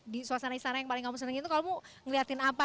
di suasana istana yang paling kamu senengin itu kamu ngeliatin apa